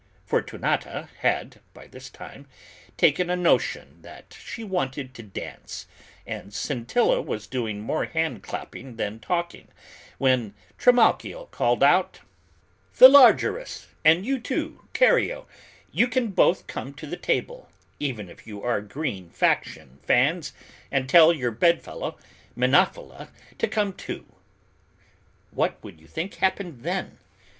Fortunata had, by this time, taken a notion that she wanted to dance, and Scintilla was doing more hand clapping than talking, when Trimalchio called out, "Philargyrus, and you too, Carrio, you can both come to the table; even if you are green faction fans, and tell your bedfellow, Menophila, to come too." What would you think happened then?